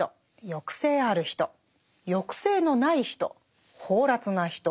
抑制ある人抑制のない人放埓な人。